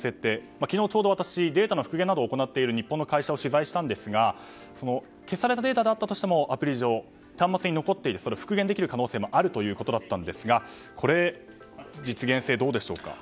昨日、ちょうど私データの復元などを行っている日本の会社を取材したんですが消されたデータだったとしてもアプリ上、端末に残っていて復元できる可能性があるということでしたがこの実現性はどうでしょうか。